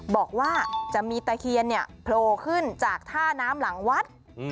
บอกว่าจะมีตะเคียนเนี่ยโผล่ขึ้นจากท่าน้ำหลังวัด